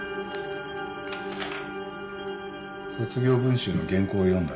卒業文集の原稿を読んだ。